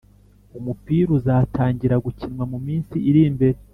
umupira uzatangira gukinwa mu minsi irimbere